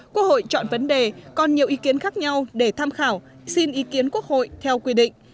quốc hội chọn vấn đề còn nhiều ý kiến khác nhau để tham khảo xin ý kiến quốc hội theo quy định